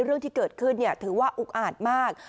เรื่องที่เกิดขึ้นถือว่าอุกอาจมาก